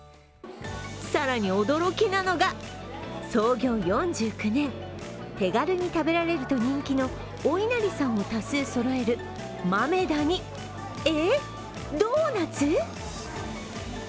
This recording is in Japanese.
さらに驚きなのが、創業４９年、手軽に食べられると人気のおいなりさんを多数そろえる豆狸に、え？